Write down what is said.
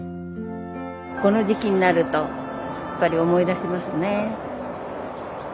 この時期になるとやっぱり思い出しますね。